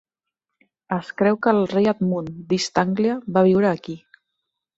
Es creu que el rei Edmund d'East Anglia va viure aquí.